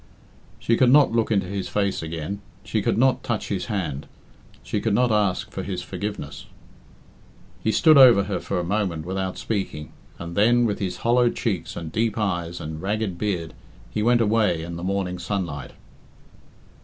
She could not look into his face again; she could not touch his hand; she could not ask for his forgiveness. He stood over her for a moment without speaking, and then, with his hollow cheeks, and deep eyes, and ragged heard, he went away in the morning sunlight.